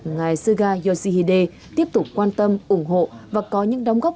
ngài suga yoshihide tiếp tục quan tâm ủng hộ và có những đóng góp